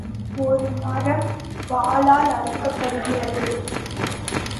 ஒரு மரம் வாளால் அறுக்கப்படுகிறது.